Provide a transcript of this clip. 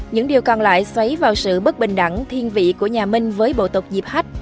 những điều còn lại xoáy vào sự bất bình đẳng thiên vị của nhà minh với bộ tộc diệp hách